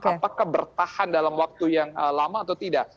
apakah bertahan dalam waktu yang lama atau tidak